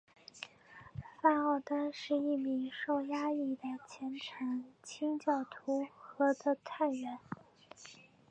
范奥登是一名受压抑的虔诚清教徒和的探员。